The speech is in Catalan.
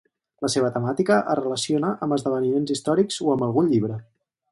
La seva temàtica es relaciona amb esdeveniments històrics o amb algun llibre.